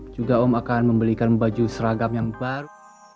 juga om akan membelikan baju seragam yang baru